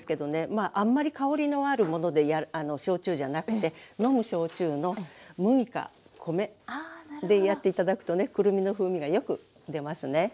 まああんまり香りのあるもので焼酎じゃなくて飲む焼酎の麦か米でやって頂くとねくるみの風味がよく出ますね。